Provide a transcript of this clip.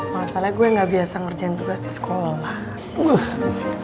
masalahnya gue gak biasa ngerjain tugas di sekolah